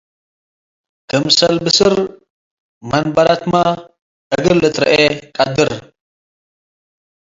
ክምሰል ብስር መንበረትመ እግል ልትርኤ ቀድር ።